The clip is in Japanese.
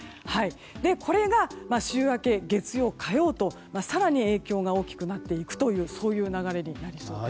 これが週明け、月曜、火曜と更に影響が大きくなっていく流れになりそうです。